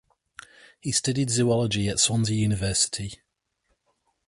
He studied zoology at Swansea University.